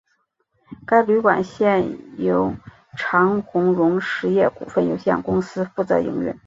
该旅馆现由长鸿荣实业股份有限公司负责营运。